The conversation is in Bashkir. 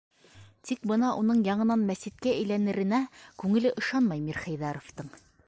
Тик бына уның яңынан мәсеткә әйләнеренә күңеле ышанмай Мирхәйҙәровтың.